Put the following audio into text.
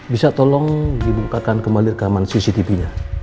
bisa tolong dibukakan kembali rekaman cctv nya